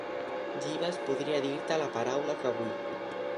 Jeeves podria dir-te la paraula que vull.